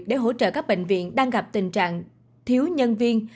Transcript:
để hỗ trợ các bệnh viện đang gặp tình trạng thiếu nhân viên